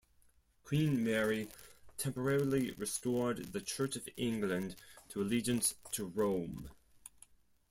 Queen Mary temporarily restored the Church of England to allegiance to Rome.